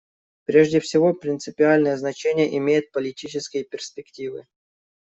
Прежде всего принципиальное значение имеют политические перспективы.